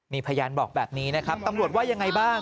มีพยานบอกแบบนี้นะครับตำรวจว่ายังไงบ้าง